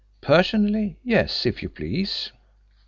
... Personally, yes, if you please."